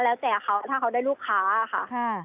แล้วแต่เขาถ้าเขาได้ลูกค้าค่ะ